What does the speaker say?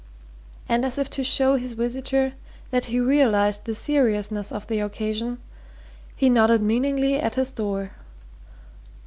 And as if to show his visitor that he realized the seriousness of the occasion, he nodded meaningly at his door.